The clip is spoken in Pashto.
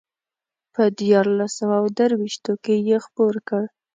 په دیارلس سوه درویشتو کې یې خپور کړ.